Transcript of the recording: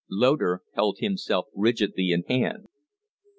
Loder held himself rigidly in hand.